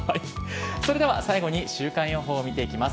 それでは最後に週間予報を見ていきます。